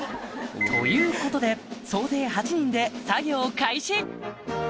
ということで総勢８人で作業開始